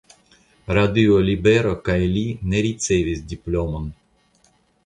Radio Libero ke li ne ricevis diplomon.